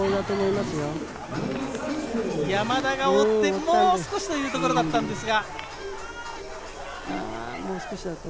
山田が追って、もう少しというところだったんですが。